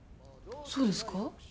そうですか？